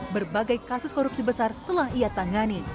berbagai kasus korupsi besar telah ia tangani